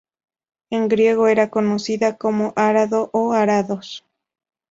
En griego era conocida como Arado o Arados.